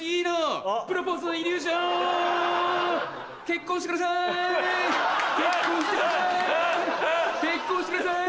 結婚してください！